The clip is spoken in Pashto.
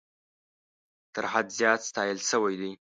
تر حد زیات ستایل سوي دي.